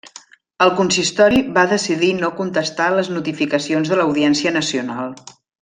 El consistori va decidir no contestar les notificacions de l'Audiència Nacional.